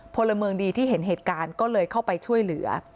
พลเมืองดีที่เห็นเหตุการณ์ก็เลยเข้าไปช่วยเหลือ